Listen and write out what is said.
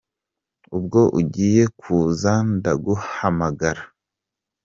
ubwo ugiye kuza ndaguhamagara